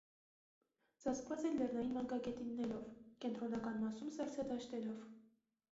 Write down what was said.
Ծածկված է լեռնային մարգագետիններով, կենտրոնական մասում՝ սառցադաշտերով։